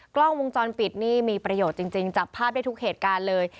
กล้องวงจรปิดนี่มีประโยชน์จริงจับภาพได้ทุกเหตุการณ์เลย